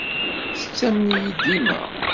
Tettamen-iyi dima.